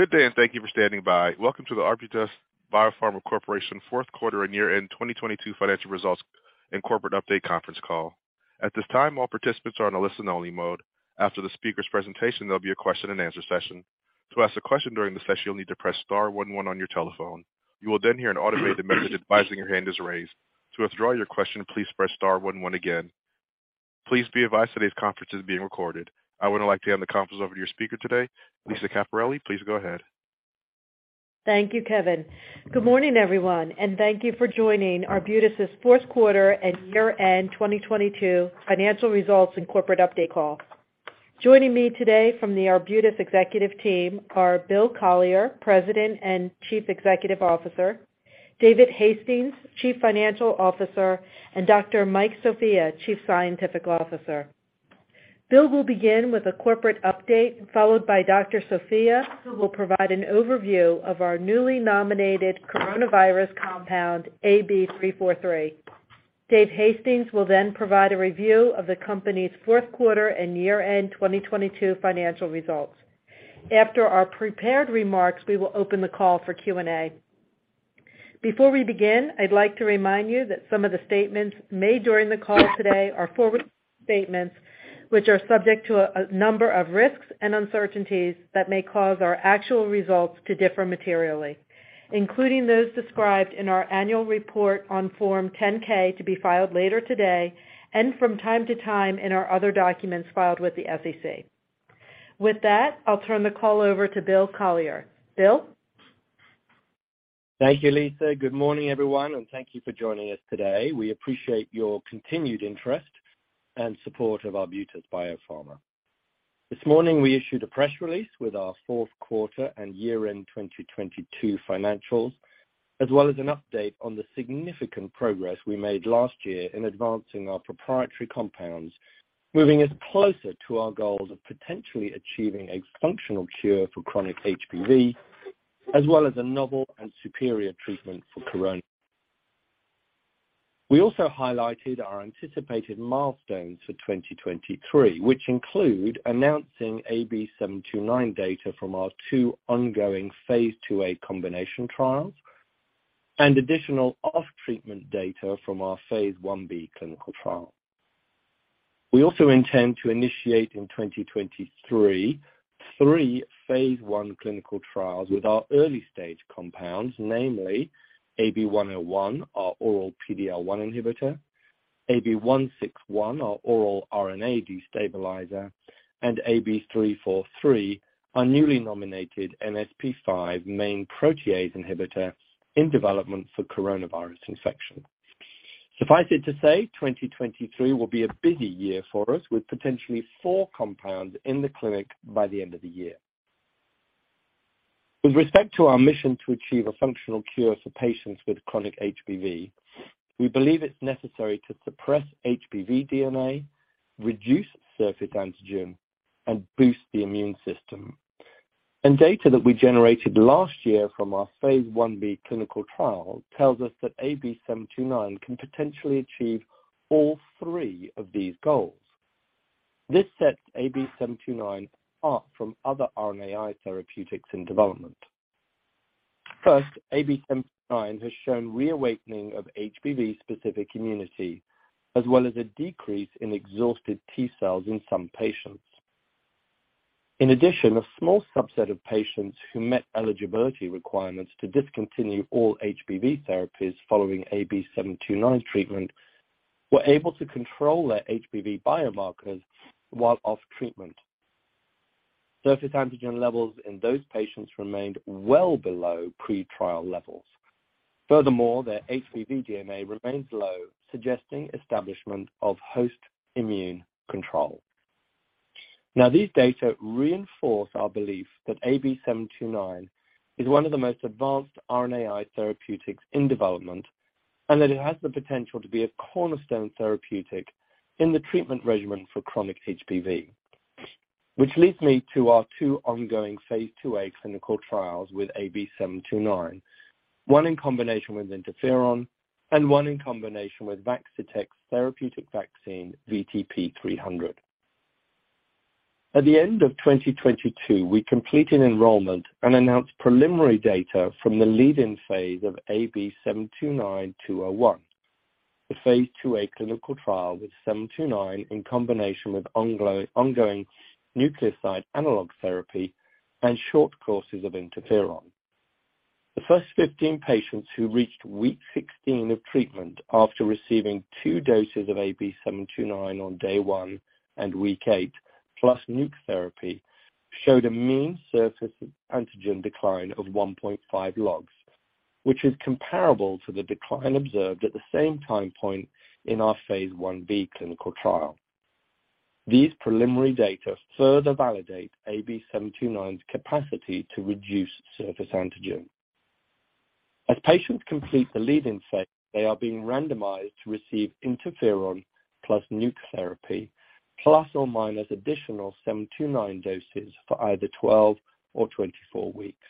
Good day, thank you for standing by. Welcome to the Arbutus Biopharma Corporation fourth quarter and year-end 2022 financial results and corporate update conference call. At this time, all participants are on a listen only mode. After the speaker's presentation, there'll be a question and answer session. To ask a question during the session, you'll need to press star one one on your telephone. You will hear an automated message advising your hand is raised. To withdraw your question, please press star one one again. Please be advised today's conference is being recorded. I would now like to hand the conference over to your speaker today, Lisa Caperelli. Please go ahead. Thank you, Kevin. Good morning, everyone, and thank you for joining Arbutus' fourth quarter and year end 2022 financial results and corporate update call. Joining me today from the Arbutus executive team are Bill Collier, President and Chief Executive Officer, David Hastings, Chief Financial Officer, and Dr. Mike Sofia, Chief Scientific Officer. Bill will begin with a corporate update, followed by Dr. Sofia, who will provide an overview of our newly nominated coronavirus compound, AB-343. Dave Hastings will provide a review of the company's fourth quarter and year-end 2022 financial results. After our prepared remarks, we will open the call for Q&A. Before we begin, I'd like to remind you that some of the statements made during the call today are forward statements which are subject to a number of risks and uncertainties that may cause our actual results to differ materially, including those described in our annual report on form 10-K to be filed later today and from time to time in our other documents filed with the SEC. With that, I'll turn the call over to Bill Collier. Bill? Thank you, Lisa. Good morning, everyone, thank you for joining us today. We appreciate your continued interest and support of Arbutus Biopharma. This morning we issued a press release with our fourth quarter and year-end 2022 financials as well as an update on the significant progress we made last year in advancing our proprietary compounds, moving us closer to our goals of potentially achieving a functional cure for chronic HBV as well as a novel and superior treatment for corona. We also highlighted our anticipated milestones for 2023, which include announcing AB-729 data from our two ongoing phase 2a combination trials and additional off treatment data from our phase 1b clinical trial. We also intend to initiate in 2023 three phase 1 clinical trials with our early stage compounds, namely AB-101, our oral PD-L1 inhibitor, AB-161, our oral RNA destabilizer, and AB-343, our newly nominated Mpro main protease inhibitor in development for coronavirus infection. Suffice it to say, 2023 will be a busy year for us, with potentially four compounds in the clinic by the end of the year. With respect to our mission to achieve a functional cure for patients with chronic HBV, we believe it's necessary to suppress HBV DNA, reduce surface antigen, and boost the immune system. Data that we generated last year from our phase 1b clinical trial tells us that AB-729 can potentially achieve all three of these goals. This sets AB-729 apart from other RNAi therapeutics in development. First, AB-729 has shown reawakening of HBV specific immunity as well as a decrease in exhausted T cells in some patients. In addition, a small subset of patients who met eligibility requirements to discontinue all HBV therapies following AB-729 treatment were able to control their HBV biomarkers while off treatment. Surface antigen levels in those patients remained well below pre-trial levels. Furthermore, their HBV DNA remains low, suggesting establishment of host immune control. Now, these data reinforce our belief that AB-729 is one of the most advanced RNAi therapeutics in development and that it has the potential to be a cornerstone therapeutic in the treatment regimen for chronic HBV. Which leads me to our 2 ongoing phase 2a clinical trials with AB-729. One in combination with interferon and one in combination with Vaccitech's therapeutic vaccine, VTP-300. At the end of 2022, we completed enrollment and announced preliminary data from the lead-in phase of AB-729-201, the phase 2a clinical trial with AB-729 in combination with ongoing nucleoside analog therapy and short courses of interferon. The first 15 patients who reached week 16 of treatment after receiving 2 doses of AB-729 on day 1 and week 8 plus nuke therapy showed a mean surface antigen decline of 1.5 logs, which is comparable to the decline observed at the same time point in our phase 1b clinical trial. These preliminary data further validate AB-729's capacity to reduce surface antigen. As patients complete the lead-in phase, they are being randomized to receive interferon plus nuke therapy plus or minus additional AB-729 doses for either 12 or 24 weeks.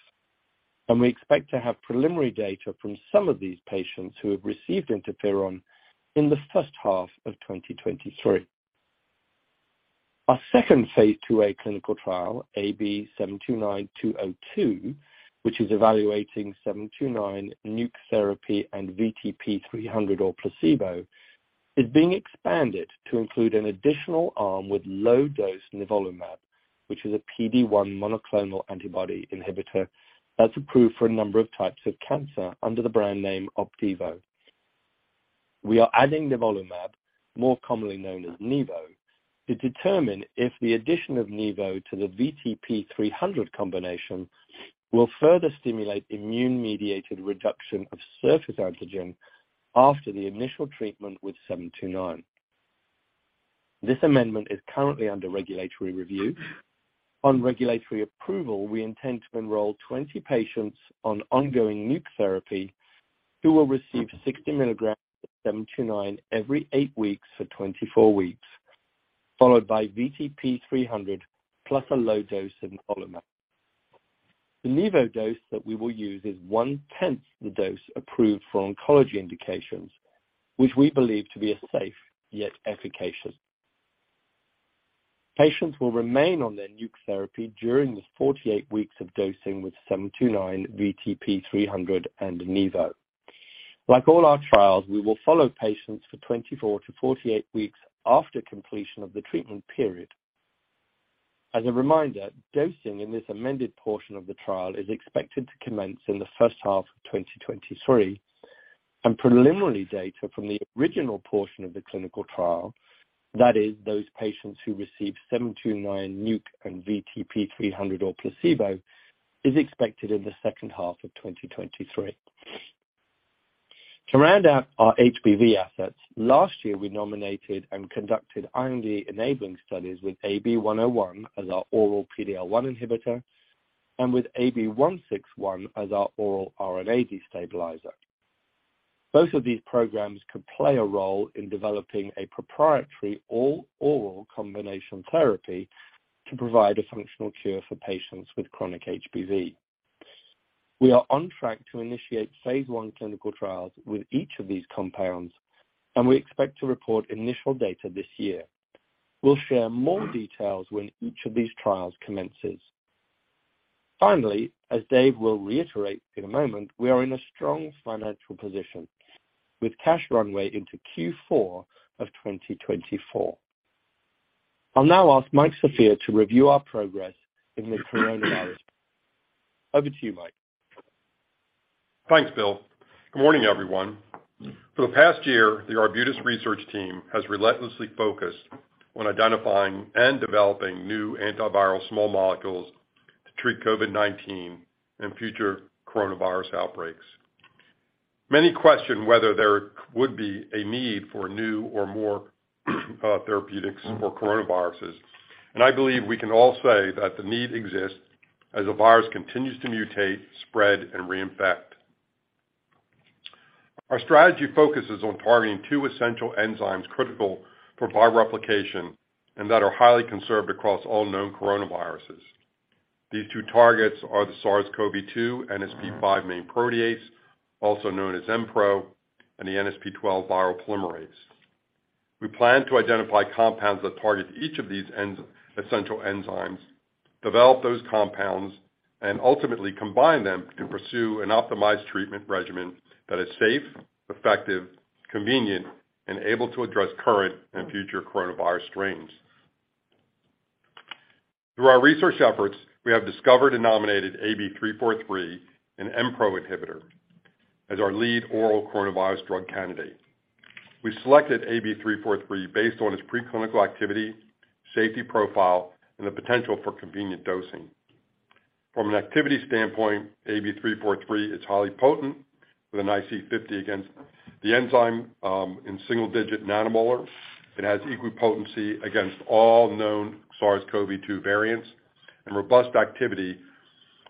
We expect to have preliminary data from some of these patients who have received interferon in the first half of 2023. Our second Phase 2a clinical trial AB-729-202, which is evaluating AB-729 nuc therapy and VTP-300 or placebo, is being expanded to include an additional arm with low dose nivolumab, which is a PD-1 monoclonal antibody inhibitor that's approved for a number of types of cancer under the brand name Opdivo. We are adding nivolumab, more commonly known as nivo, to determine if the addition of nivo to the VTP-300 combination will further stimulate immune mediated reduction of surface antigen after the initial treatment with AB-729. This amendment is currently under regulatory review. On regulatory approval, we intend to enroll 20 patients on ongoing nuc therapy who will receive 60 milligrams of 729 every 8 weeks for 24 weeks, followed by VTP-300 plus a low dose of nivolumab. The nivo dose that we will use is one-tenth the dose approved for oncology indications, which we believe to be safe yet efficacious. Patients will remain on their nuc therapy during this 48 weeks of dosing with 729, VTP-300 and nivo. Like all our trials, we will follow patients for 24-48 weeks after completion of the treatment period. As a reminder, dosing in this amended portion of the trial is expected to commence in the first half of 2023, and preliminary data from the original portion of the clinical trial, that is, those patients who received 729 nuc and VTP-300 or placebo, is expected in the second half of 2023. To round out our HBV assets, last year we nominated and conducted IND enabling studies with AB-101 as our oral PDL1 inhibitor and with AB-161 as our oral RNA destabilizer. Both of these programs could play a role in developing a proprietary all oral combination therapy to provide a functional cure for patients with chronic HBV. We are on track to initiate phase one clinical trials with each of these compounds, and we expect to report initial data this year. We'll share more details when each of these trials commences. Finally, as Dave will reiterate in a moment, we are in a strong financial position with cash runway into Q4 of 2024. I'll now ask Mike Sofia to review our progress in the coronavirus. Over to you, Mike. Thanks, Bill. Good morning, everyone. For the past year, the Arbutus research team has relentlessly focused on identifying and developing new antiviral small molecules to treat COVID-19 and future coronavirus outbreaks. Many question whether there would be a need for new or more therapeutics for coronaviruses. I believe we can all say that the need exists as the virus continues to mutate, spread, and reinfect. Our strategy focuses on targeting 2 essential enzymes critical for viral replication and that are highly conserved across all known coronaviruses. These 2 targets are the SARS-CoV-2 NSP5 main protease, also known as Mpro, and the NSP12 viral polymerase. We plan to identify compounds that target each of these essential enzymes, develop those compounds, ultimately combine them to pursue an optimized treatment regimen that is safe, effective, convenient, and able to address current and future coronavirus strains. Through our research efforts, we have discovered and nominated AB-343, an Mpro inhibitor, as our lead oral coronavirus drug candidate. We selected AB-343 based on its preclinical activity, safety profile, and the potential for convenient dosing. From an activity standpoint, AB-343 is highly potent with an IC50 against the enzyme in single-digit nanomolar. It has equipotency against all known SARS-CoV-2 variants and robust activity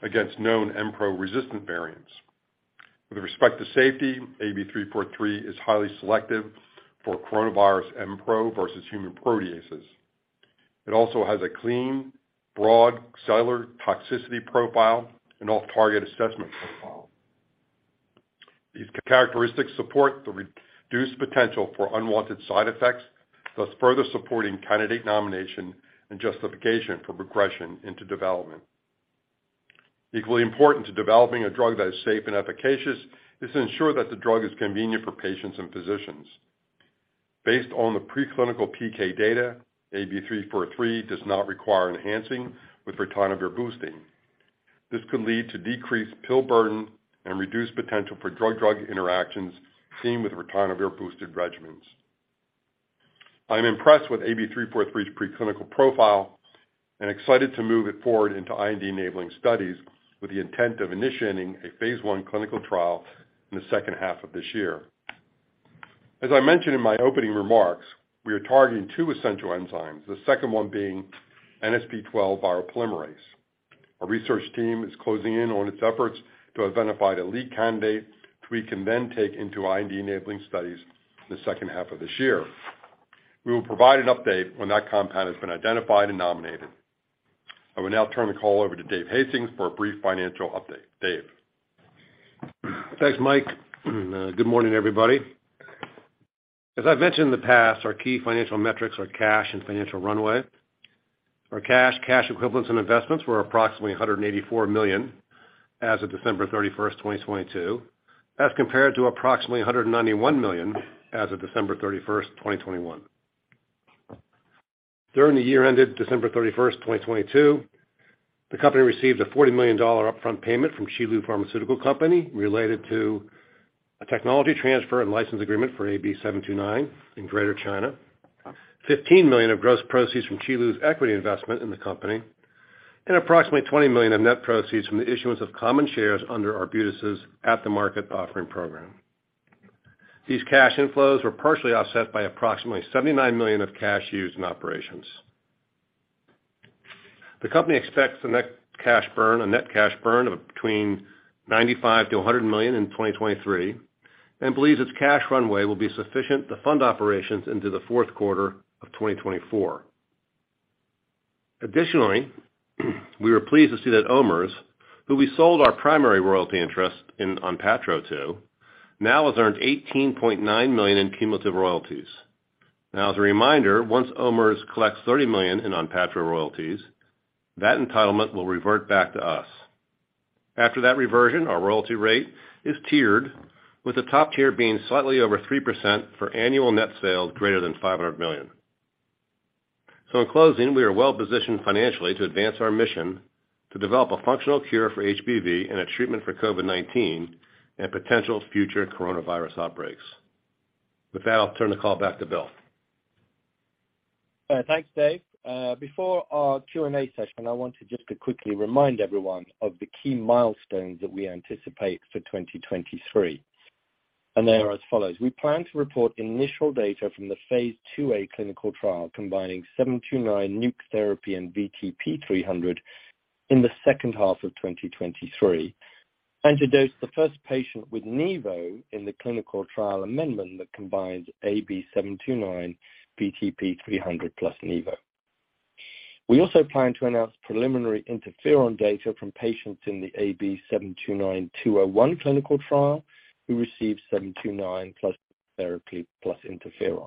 against known Mpro resistant variants. With respect to safety, AB-343 is highly selective for coronavirus Mpro versus human proteases. It also has a clean, broad cellular toxicity profile and off-target assessment profile. These characteristics support the reduced potential for unwanted side effects, thus further supporting candidate nomination and justification for progression into development. Equally important to developing a drug that is safe and efficacious is to ensure that the drug is convenient for patients and physicians. Based on the preclinical PK data, AB-343 does not require enhancing with ritonavir boosting. This could lead to decreased pill burden and reduced potential for drug-drug interactions seen with ritonavir boosted regimens. I am impressed with AB-343's preclinical profile and excited to move it forward into IND-enabling studies with the intent of initiating a phase I clinical trial in the second half of this year. As I mentioned in my opening remarks, we are targeting two essential enzymes, the second one being NSP12 viral polymerase. Our research team is closing in on its efforts to identify the lead candidate we can then take into IND-enabling studies in the second half of this year. We will provide an update when that compound has been identified and nominated. I will now turn the call over to Dave Hastings for a brief financial update. Dave? Thanks, Mike. Good morning, everybody. As I've mentioned in the past, our key financial metrics are cash and financial runway. Our cash equivalents, and investments were approximately $184 million as of December 31, 2022, as compared to approximately $191 million as of December 31, 2021. During the year ended December 31, 2022, the company received a $40 million upfront payment from Qilu Pharmaceutical Company related to a technology transfer and license agreement for AB-729 in Greater China. $15 million of gross proceeds from Qilu's equity investment in the company and approximately $20 million of net proceeds from the issuance of common shares under Arbutus' at-the-market offering program. These cash inflows were partially offset by approximately $79 million of cash used in operations. The company expects the net cash burn, a net cash burn of between $95 million-$100 million in 2023 and believes its cash runway will be sufficient to fund operations into the fourth quarter of 2024. Additionally, we were pleased to see that OMERS, who we sold our primary royalty interest in ONPATTRO to, now has earned $18.9 million in cumulative royalties. As a reminder, once OMERS collects $30 million in ONPATTRO royalties, that entitlement will revert back to us. After that reversion, our royalty rate is tiered, with the top tier being slightly over 3% for annual net sales greater than $500 million. In closing, we are well-positioned financially to advance our mission to develop a functional cure for HBV and a treatment for COVID-19 and potential future coronavirus outbreaks. With that, I'll turn the call back to Bill. Thanks, David Hastings. Before our Q&A session, I want to just quickly remind everyone of the key milestones that we anticipate for 2023. They are as follows: We plan to report initial data from the phase 2a clinical trial combining AB-729 nuc therapy and VTP-300 in the second half of 2023. Antidote the first patient with nivo in the clinical trial amendment that combines AB-729, VTP-300, plus nivo. We also plan to announce preliminary interferon data from patients in the AB-729-201 clinical trial, who receive AB-729 plus therapy plus interferon.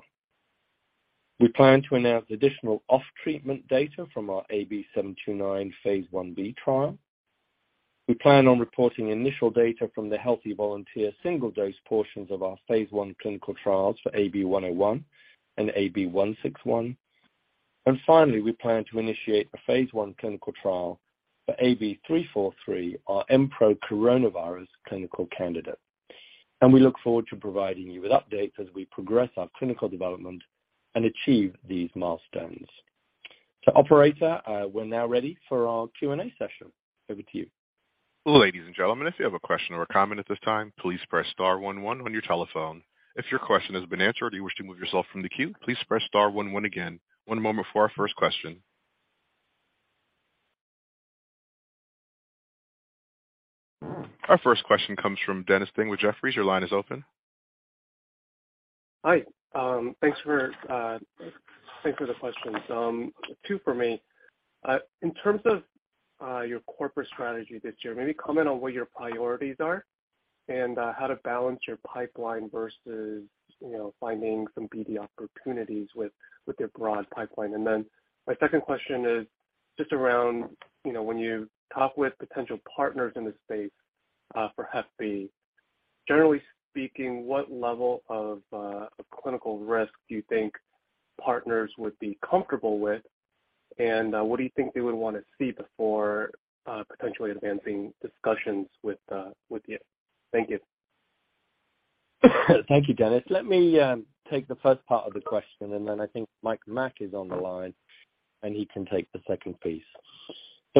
We plan to announce additional off-treatment data from our AB-729 phase 1b trial. We plan on reporting initial data from the healthy volunteer single dose portions of our phase 1 clinical trials for AB-101 and AB-161. Finally, we plan to initiate a phase I clinical trial for AB-343, our Mpro coronavirus clinical candidate. We look forward to providing you with updates as we progress our clinical development and achieve these milestones. Operator, we're now ready for our Q&A session. Over to you. Ladies and gentlemen, if you have a question or a comment at this time, please press star one one on your telephone. If your question has been answered or you wish to move yourself from the queue, please press star one one again. One moment for our first question. Our first question comes from Dennis Ding with Jefferies. Your line is open. Hi. Thanks for the questions. Two for me. In terms of your corporate strategy this year, maybe comment on what your priorities are and how to balance your pipeline versus, you know, finding some BD opportunities with your broad pipeline. My second question is just around, you know, when you talk with potential partners in the space, for Hep B, generally speaking, what level of clinical risk do you think partners would be comfortable with? What do you think they would wanna see before potentially advancing discussions with you? Thank you. Thank you, Dennis. Let me take the first part of the question, and then I think Mike McElhaugh is on the line, and he can take the second piece.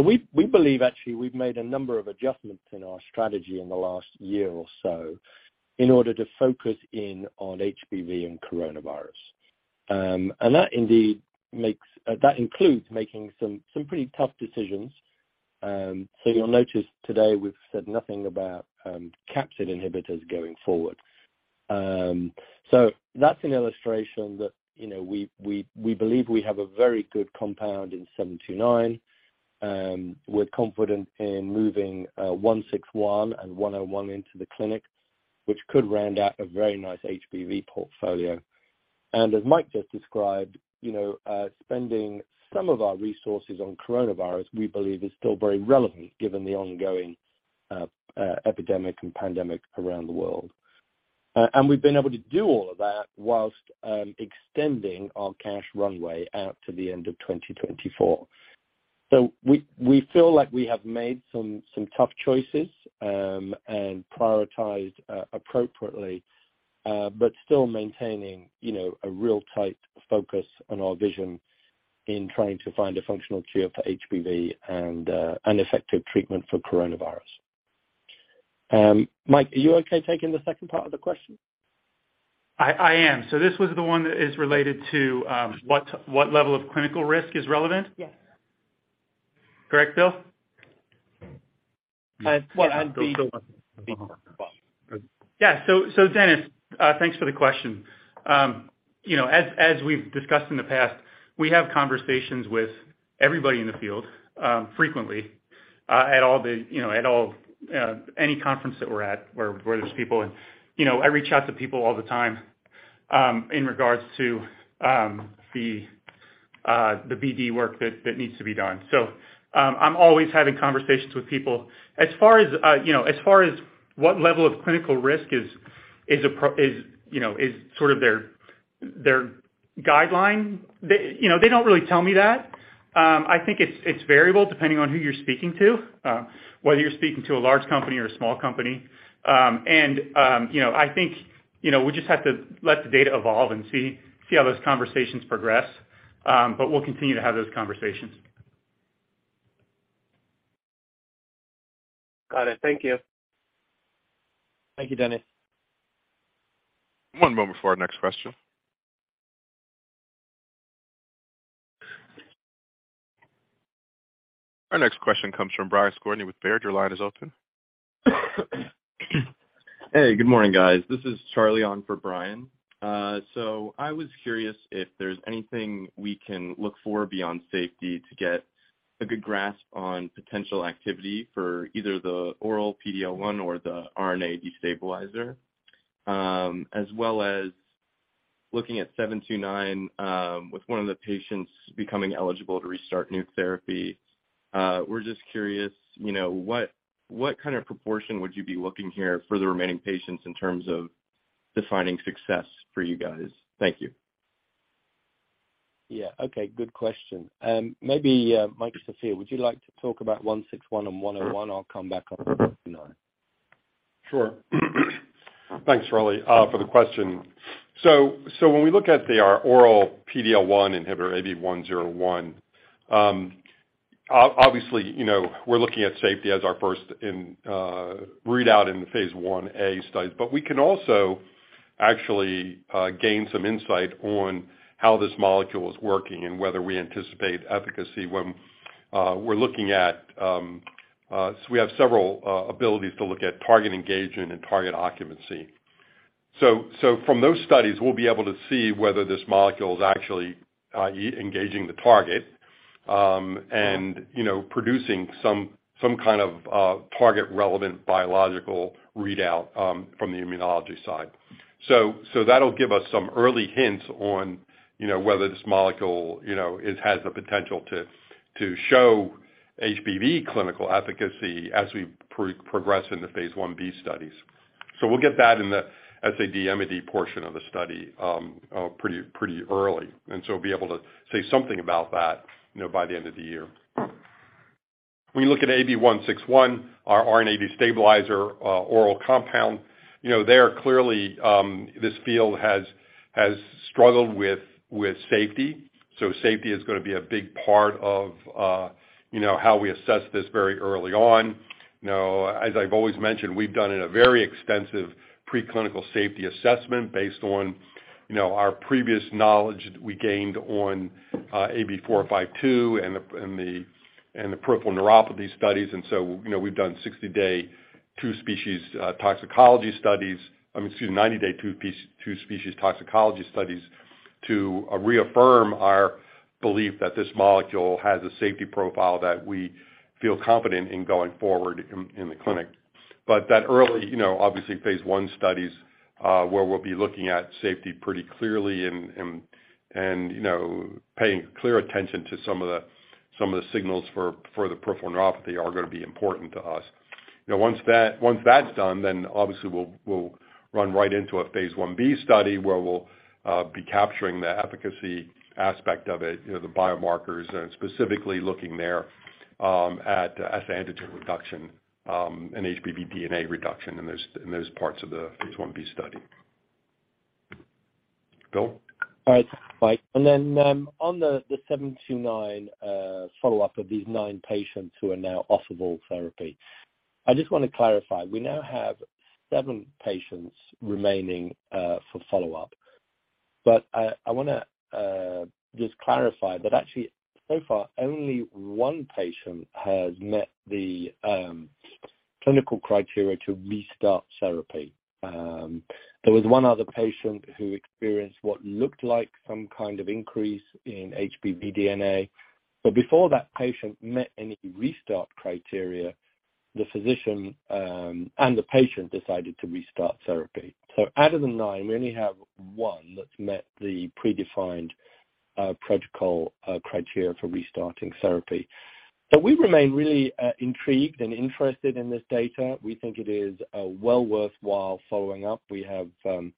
We believe actually we've made a number of adjustments in our strategy in the last year or so in order to focus in on HBV and coronavirus. That includes making some pretty tough decisions. You'll notice today we've said nothing about capsid inhibitors going forward. That's an illustration that, you know, we believe we have a very good compound in 729. We're confident in moving 161 and 101 into the clinic, which could round out a very nice HBV portfolio. As Mike just described, you know, spending some of our resources on coronavirus, we believe is still very relevant given the ongoing epidemic and pandemic around the world. We've been able to do all of that whilst extending our cash runway out to the end of 2024. We feel like we have made some tough choices and prioritized appropriately, but still maintaining, you know, a real tight focus on our vision in trying to find a functional cure for HBV and an effective treatment for coronavirus. Mike, are you okay taking the second part of the question? I am. This was the one that is related to, what level of clinical risk is relevant? Yes. Correct, Bill? Well. Yeah. Dennis, thanks for the question. You know, as we've discussed in the past, we have conversations with everybody in the field, frequently, at all the, you know, at all any conference that we're at where there's people. You know, I reach out to people all the time in regards to the BD work that needs to be done. I'm always having conversations with people. As far as, you know, as far as what level of clinical risk is, you know, is sort of their guideline, they, you know, they don't really tell me that. I think it's variable depending on who you're speaking to, whether you're speaking to a large company or a small company. You know, I think, you know, we just have to let the data evolve and see how those conversations progress. We'll continue to have those conversations. Got it. Thank you. Thank you, Dennis. One moment for our next question. Our next question comes from Brian Skorney with Baird. Your line is open. Hey, good morning, guys. This is Charlie on for Brian. I was curious if there's anything we can look for beyond safety to get a good grasp on potential activity for either the oral PD-L1 or the RNA destabilizer. As well as looking at 729, with one of the patients becoming eligible to restart new therapy. We're just curious, you know, what kind of proportion would you be looking here for the remaining patients in terms of defining success for you guys? Thank you. Yeah. Okay. Good question. Maybe, Mike Sofia, would you like to talk about AB-161 and AB-101? I'll come back on AB-729. Sure. Thanks, Rolly, for the question. When we look at our oral PD-L1 inhibitor AB-101, obviously, you know, we're looking at safety as our first in readout in the phase 1a studies. We can also actually gain some insight on how this molecule is working and whether we anticipate efficacy when we're looking at. We have several abilities to look at target engagement and target occupancy. From those studies, we'll be able to see whether this molecule is actually engaging the target, and, you know, producing some kind of target-relevant biological readout from the immunology side. That'll give us some early hints on, you know, whether this molecule, you know, is, has the potential to show HBV clinical efficacy as we progress in the phase 1b studies. We'll get that in the SAD/MD portion of the study pretty early, and be able to say something about that, you know, by the end of the year. When you look at AB-161, our RNA destabilizer oral compound, you know, there clearly this field has struggled with safety. Safety is gonna be a big part of, you know, how we assess this very early on. You know, as I've always mentioned, we've done a very extensive preclinical safety assessment based on, you know, our previous knowledge that we gained on AB-452 and the peripheral neuropathy studies. You know, we've done 60-day 2-species toxicology studies. I mean, excuse me, 90-day 2-species toxicology studies to reaffirm our belief that this molecule has a safety profile that we feel confident in going forward in the clinic. That early, you know, obviously phase 1 studies, where we'll be looking at safety pretty clearly and, you know, paying clear attention to some of the signals for the peripheral neuropathy are gonna be important to us. You know, once that's done, then obviously we'll run right into a phase 1B study where we'll be capturing the efficacy aspect of it, you know, the biomarkers and specifically looking there at the antigen reduction and HBV DNA reduction in those parts of the phase 1B study. Bill? All right. Mike. On the 729 follow-up of these 9 patients who are now off of all therapy, I just wanna clarify. We now have 7 patients remaining for follow-up. I wanna just clarify that actually so far, only 1 patient has met the clinical criteria to restart therapy. There was 1 other patient who experienced what looked like some kind of increase in HBV DNA. Before that patient met any restart criteria, the physician and the patient decided to restart therapy. Out of the 9, we only have 1 that's met the predefined protocol criteria for restarting therapy. We remain really intrigued and interested in this data. We think it is well worthwhile following up. We have some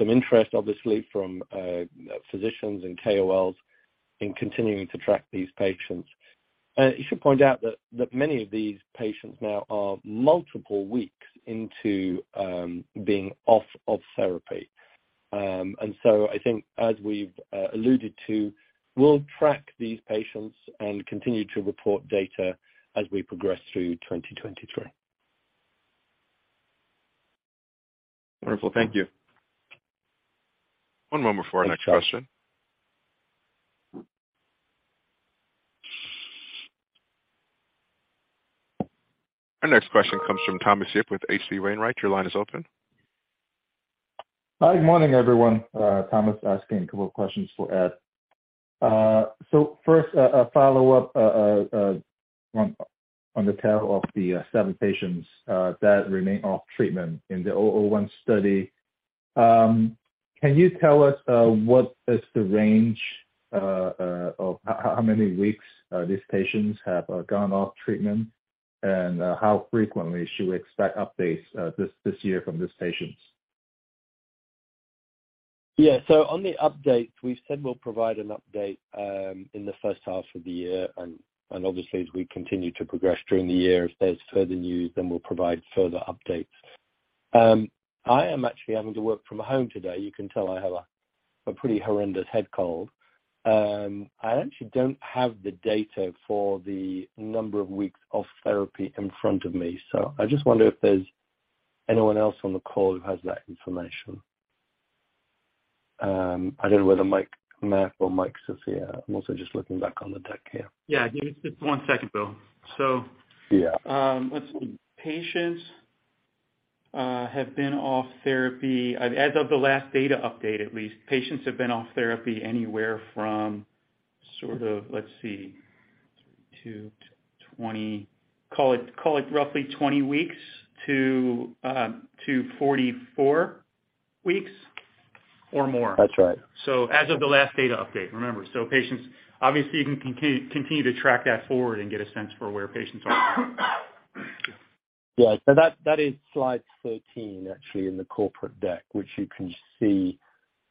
interest obviously from physicians and KOLs in continuing to track these patients. You should point out that many of these patients now are multiple weeks into being off of therapy. I think as we've alluded to, we'll track these patients and continue to report data as we progress through 2023. Wonderful. Thank you. One moment before our next question. Our next question comes from Thomas Yip with H.C. Wainwright. Your line is open. Hi. Good morning, everyone. Thomas asking a couple of questions for Ed. first, a follow-up on the tail of the 7 patients that remain off treatment in the 001 study. Can you tell us what is the range of how many weeks these patients have gone off treatment? How frequently should we expect updates this year from these patients? Yeah. On the update, we've said we'll provide an update in the first half of the year. Obviously, as we continue to progress during the year, if there's further news, then we'll provide further updates. I am actually having to work from home today. You can tell I have a pretty horrendous head cold. I actually don't have the data for the number of weeks of therapy in front of me. I just wonder if there's anyone else on the call who has that information. I don't know whether Mike McElhaugh or Mike Cecere. I'm also just looking back on the deck here. Yeah. Give me just one second, Bill. Yeah. let's see. Patients have been off therapy, as of the last data update at least, patients have been off therapy anywhere from sort of, let's see, 2 to 20... Call it roughly 20 weeks to 44 weeks or more. That's right. As of the last data update, remember. Patients obviously you can continue to track that forward and get a sense for where patients are. Yeah. That, that is slide 13 actually in the corporate deck, which you can see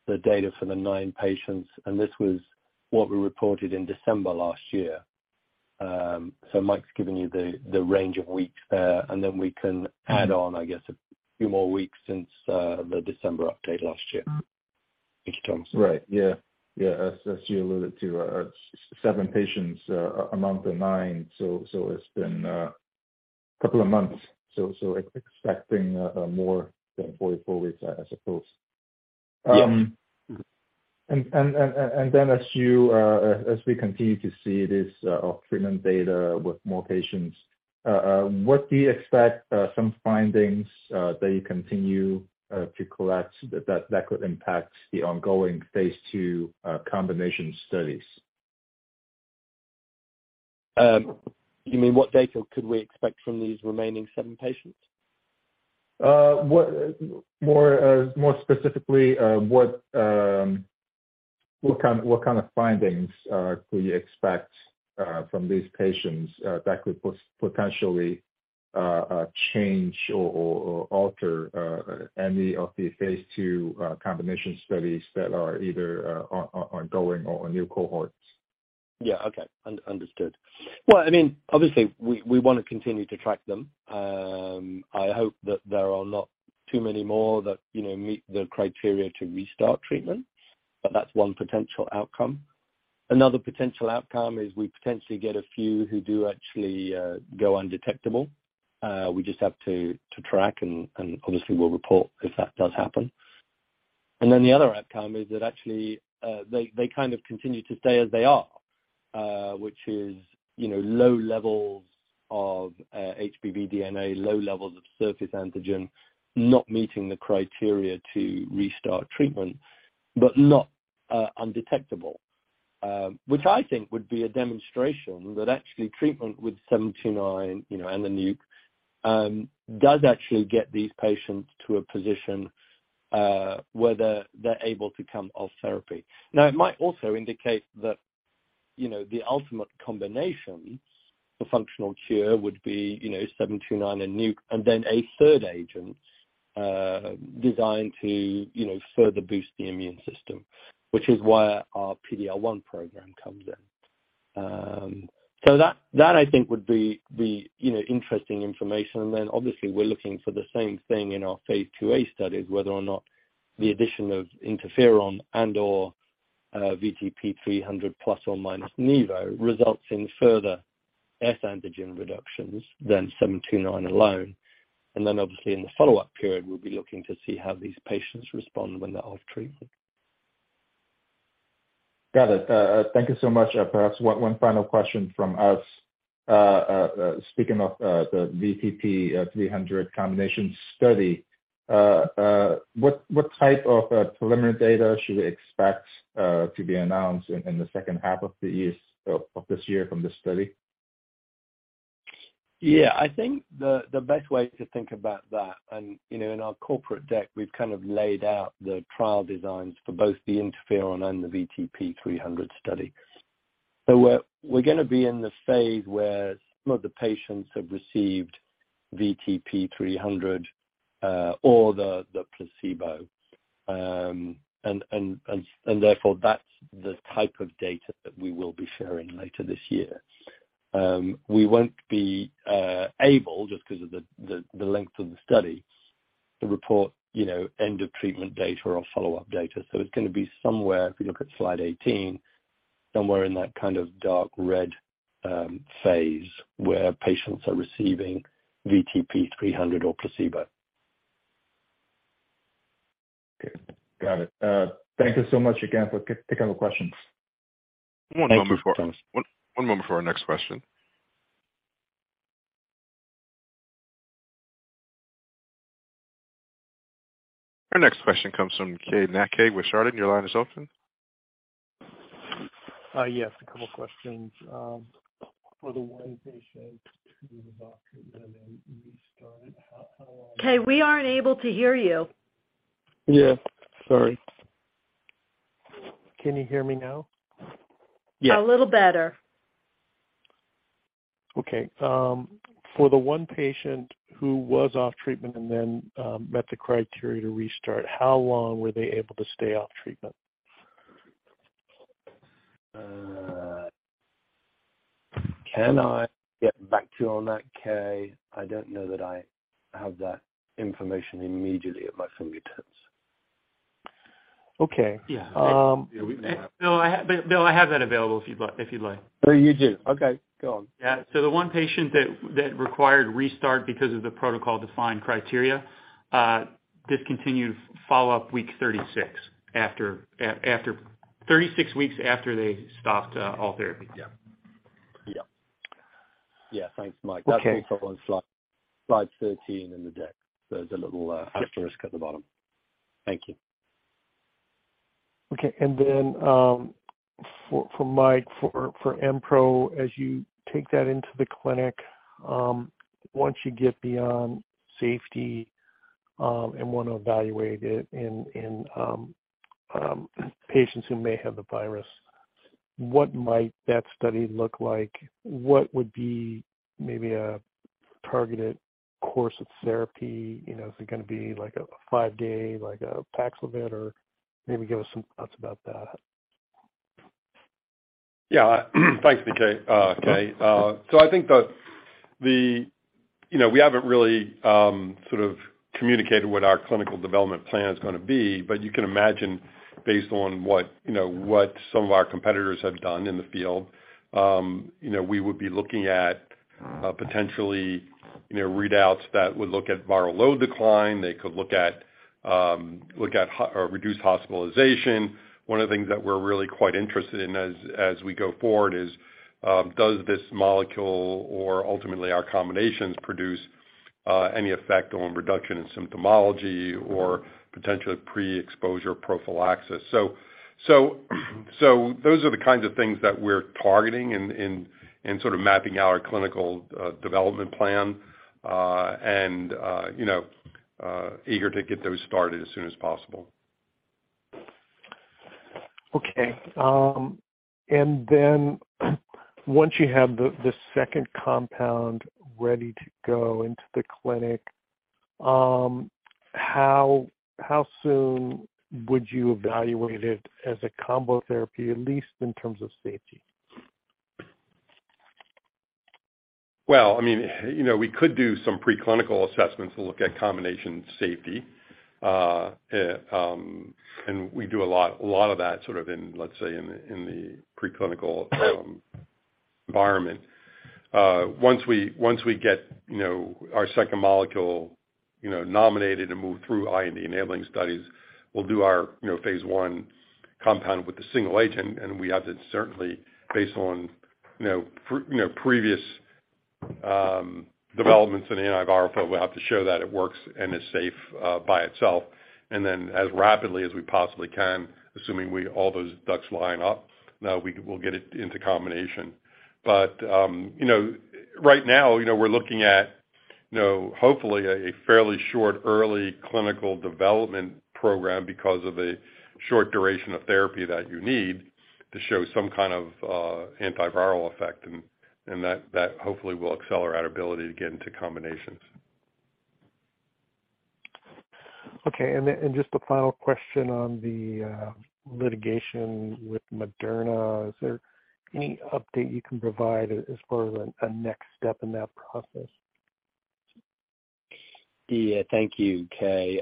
the data for the nine patients, and this was what we reported in December last year. Mike's giving you the range of weeks there, and then we can add on, I guess, a few more weeks since the December update last year. Thank you, Thomas. Right. Yeah. Yeah. As you alluded to, seven patients among the nine. It's been couple of months. Expecting more than 44 weeks, I suppose. Yeah. As you as we continue to see this off-treatment data with more patients, what do you expect some findings that you continue to collect that could impact the ongoing phase 2 combination studies? You mean what data could we expect from these remaining seven patients? What, more specifically, what kind of findings could you expect from these patients that could potentially change or alter any of the phase 2 combination studies that are either ongoing or new cohorts? Yeah. Okay. Understood. Well, I mean, obviously, we wanna continue to track them. I hope that there are not too many more that, you know, meet the criteria to restart treatment, but that's one potential outcome. Another potential outcome is we potentially get a few who do actually go undetectable. We just have to track and obviously we'll report if that does happen. The other outcome is that actually they kind of continue to stay as they are, which is, you know, low levels of HBV DNA, low levels of surface antigen, not meeting the criteria to restart treatment, but not undetectable. Which I think would be a demonstration that actually treatment with AB-729, you know, and the nuc, does actually get these patients to a position where they're able to come off therapy. It might also indicate that, you know, the ultimate combination, the functional cure would be, you know, AB-729 and nuc and then a third agent, designed to, you know, further boost the immune system, which is where our PD-L1 program comes in. That I think would be, you know, interesting information. Obviously we're looking for the same thing in our phase 2a studies, whether or not the addition of interferon and/or VTP-300 plus or minus nivo results in further F antigen reductions than AB-729 alone. Obviously in the follow-up period, we'll be looking to see how these patients respond when they're off treatment. Got it. Thank you so much. Perhaps one final question from us. Speaking of the VTP-300 combination study, what type of preliminary data should we expect to be announced in the second half of this year from this study? Yeah. I think the best way to think about that, and, you know, in our corporate deck, we've kind of laid out the trial designs for both the interferon and the VTP-300 study. We're gonna be in the phase where some of the patients have received VTP-300 or the placebo. Therefore, that's the type of data that we will be sharing later this year. We won't be able just 'cause of the length of the study to report, you know, end of treatment data or follow-up data. It's gonna be somewhere, if you look at slide 18, somewhere in that kind of dark red phase where patients are receiving VTP-300 or placebo. Got it. Thank you so much again for taking our questions. Thank you. One moment before our next question. Our next question comes from Keay Nakae with Chardan. Your line is open. Yes, a couple questions. For the one patient who was off treatment and then restarted, how? Keay, we aren't able to hear you. Yeah. Sorry. Can you hear me now? Yes. A little better. For the 1 patient who was off treatment and then met the criteria to restart, how long were they able to stay off treatment? Can I get back to you on that, Keay? I don't know that I have that information immediately at my fingertips. Okay. Yeah. Bill, I have that available if you'd like. Oh, you do? Okay, go on. The one patient that required restart because of the protocol-defined criteria, discontinued follow-up week 36 after, 36 weeks after they stopped, all therapy. Yeah. Yeah. Yeah, thanks, Mike. Okay. That's also on slide 13 in the deck. There's a little asterisk at the bottom. Thank you. Okay. for Mike, for Mpro, as you take that into the clinic, once you get beyond safety, and want to evaluate it in patients who may have the virus, what might that study look like? What would be maybe a targeted course of therapy? You know, is it gonna be like a five-day, like a Paxlovid? Maybe give us some thoughts about that. Yeah. Thanks, Keay. Keay. I think the... You know, we haven't really sort of communicated what our clinical development plan is gonna be. You can imagine based on what, you know, what some of our competitors have done in the field, you know, we would be looking at potentially, you know, readouts that would look at viral load decline. They could look at reduced hospitalization. One of the things that we're really quite interested in as we go forward is, does this molecule or ultimately our combinations produce any effect on reduction in symptomology or potentially pre-exposure prophylaxis? Those are the kinds of things that we're targeting and sort of mapping out our clinical development plan and, you know, eager to get those started as soon as possible. Okay. Once you have the second compound ready to go into the clinic, how soon would you evaluate it as a combo therapy, at least in terms of safety? Well, I mean, you know, we could do some preclinical assessments to look at combination safety. We do a lot, a lot of that sort of in, let's say, in the preclinical environment. Once we get, you know, our second molecule nominated and moved through IND-enabling studies, we'll do our, you know, phase one compound with the single agent. We have to certainly, based on, you know, previous developments in the antiviral field, we'll have to show that it works and is safe by itself. Then as rapidly as we possibly can, assuming all those ducks line up, we'll get it into combination. you know, right now, you know, we're looking at, you know, hopefully a fairly short early clinical development program because of a short duration of therapy that you need to show some kind of antiviral effect. and that hopefully will accelerate our ability to get into combinations. Okay. Just a final question on the litigation with Moderna. Is there any update you can provide as far as a next step in that process? Yeah. Thank you, Kay.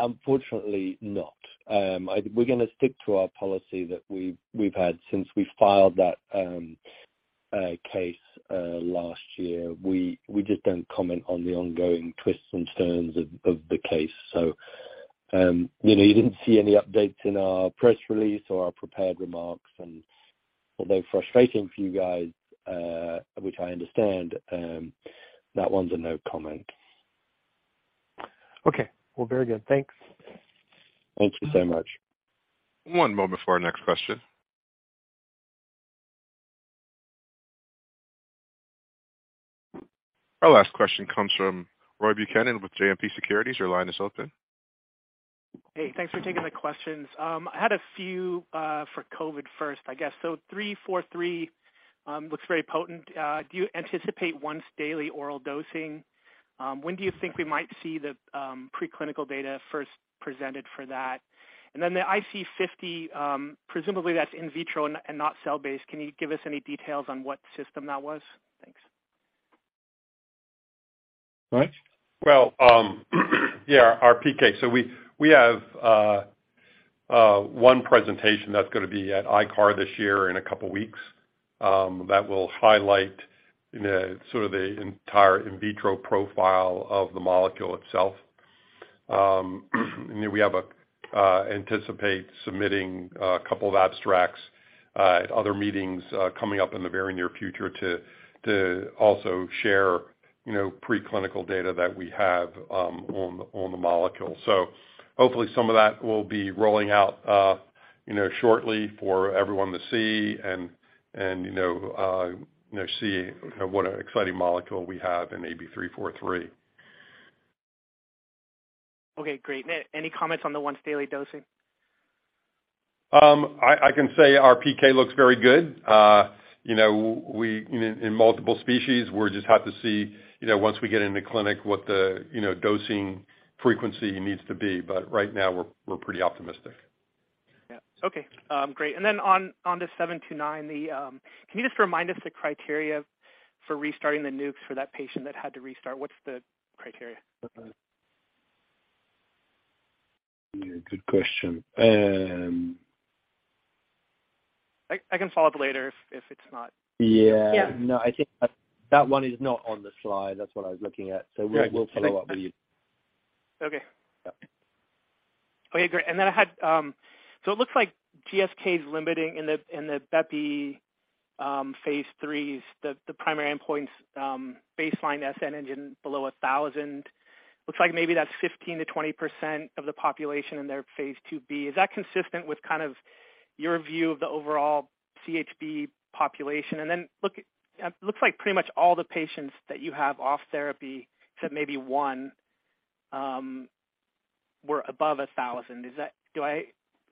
unfortunately not. we're gonna stick to our policy that we've had since we filed that case last year. We just don't comment on the ongoing twists and turns of the case. you know, you didn't see any updates in our press release or our prepared remarks. although frustrating for you guys, which I understand, that one's a no comment. Okay. Well, very good. Thanks. Thank you so much. One moment for our next question. Our last question comes from Roy Buchanan with JMP Securities. Your line is open. Hey, thanks for taking the questions. I had a few for COVID first, I guess. 343 looks very potent. Do you anticipate once daily oral dosing? When do you think we might see the preclinical data first presented for that? And then the IC50, presumably that's in vitro and not cell-based, can you give us any details on what system that was? Thanks. Mike? Well, yeah, our PK. We have 1 presentation that's gonna be at ICAR this year in a couple weeks that will highlight, you know, sort of the entire in vitro profile of the molecule itself. We anticipate submitting a couple of abstracts at other meetings coming up in the very near future to also share, you know, preclinical data that we have on the molecule. Hopefully some of that will be rolling out, you know, shortly for everyone to see and you know, see what an exciting molecule we have in AB-343. Okay, great. Any comments on the once daily dosing? I can say our PK looks very good. You know, we in multiple species. We're just have to see, you know, once we get into clinic what the, you know, dosing frequency needs to be. Right now we're pretty optimistic. Yeah. Okay. Great. On the AB-729, can you just remind us the criteria for restarting the nukes for that patient that had to restart? What's the criteria? Yeah, good question. I can follow up later if it's not. Yeah. Yeah. No, I think that one is not on the slide. That's what I was looking at. Right. We'll follow up with you. Okay. Yeah. Okay, great. I had, so it looks like GSK is limiting in the, in the bepi, phase 3s, the primary endpoints, baseline S antigen below 1,000. Looks like maybe that's 15%-20% of the population in their phase 2b. Is that consistent with kind of your view of the overall CHB population? Look, it looks like pretty much all the patients that you have off therapy, except maybe one, were above 1,000. Is that?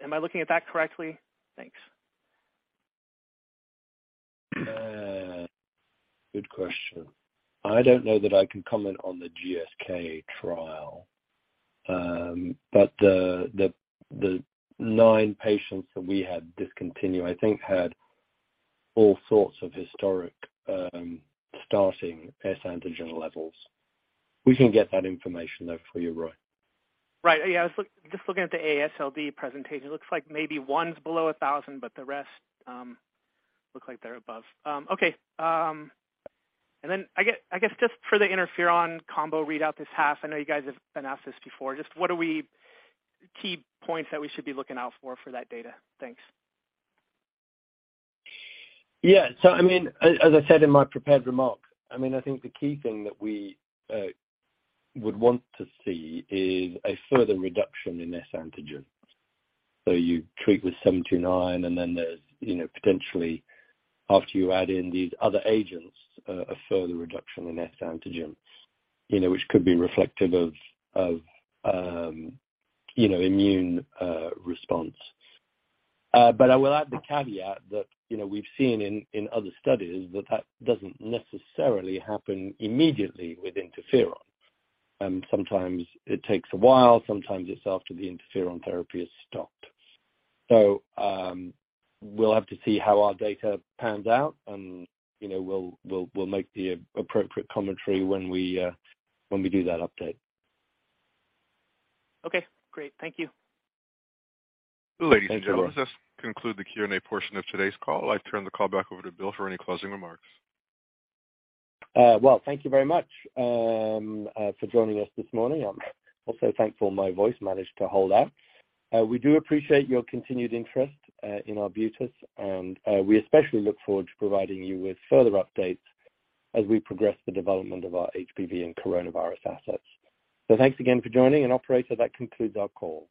Am I looking at that correctly? Thanks. Good question. I don't know that I can comment on the GSK trial. The nine patients that we had discontinue, I think, had all sorts of historic, starting S antigen levels. We can get that information, though, for you, Roy. Right. Yeah, I was just looking at the AASLD presentation. It looks like maybe one's below 1,000, but the rest look like they're above. Okay. Then I get, I guess, just for the interferon combo readout this half, I know you guys have been asked this before, just what are we key points that we should be looking out for for that data? Thanks. Yeah. I mean, as I said in my prepared remarks, I mean, I think the key thing that we would want to see is a further reduction in HBsAg. You treat with 729, and then there's, you know, potentially after you add in these other agents, a further reduction in HBsAg, you know, which could be reflective of, you know, immune response. I will add the caveat that, you know, we've seen in other studies that that doesn't necessarily happen immediately with interferon. Sometimes it takes a while, sometimes it's after the interferon therapy is stopped. We'll have to see how our data pans out and, you know, we'll make the appropriate commentary when we when we do that update. Okay, great. Thank you. Thank you, Roy. Ladies and gentlemen, this conclude the Q&A portion of today's call. I turn the call back over to Bill for any closing remarks. Well, thank you very much for joining us this morning. I'm also thankful my voice managed to hold out. We do appreciate your continued interest in Arbutus, and we especially look forward to providing you with further updates as we progress the development of our HBV and coronavirus assets. Thanks again for joining. Operator, that concludes our call.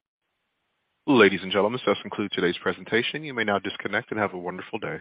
Ladies and gentlemen, this does conclude today's presentation. You may now disconnect and have a wonderful day.